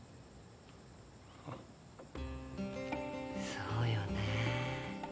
そうよね。